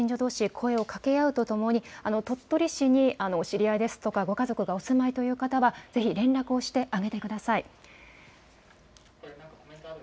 声をかけ合うとともに、鳥取市に知り合いですとか、ご家族がお住まいという方は、ぜひ連絡をしてあげてください。